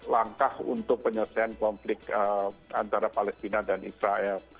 langkah untuk penyelesaian konflik antara palestina dan israel